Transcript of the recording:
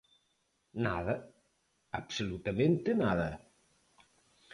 ¡Nada!, absolutamente nada.